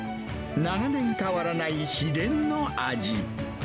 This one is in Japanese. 長年変わらない秘伝の味。